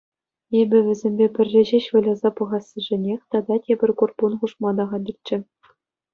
Эпӗ вӗсемпе пӗрре ҫеҫ выляса пӑхассишӗнех тата тепӗр курпун хушма та хатӗрччӗ.